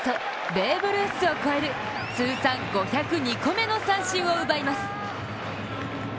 ベーブ・ルースを超える通算５０２個目の三振を奪います。